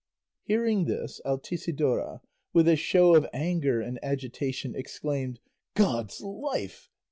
Hearing this, Altisidora, with a show of anger and agitation, exclaimed, "God's life!